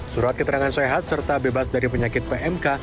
surat keterangan sehat serta bebas dari penyakit pmk